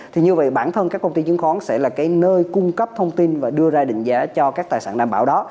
thì như vậy bản thân các công ty chứng khoán sẽ là cái nơi cung cấp thông tin và đưa ra định giá cho các tài sản đảm bảo đó